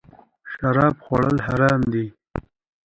شراب خوړل حرام دی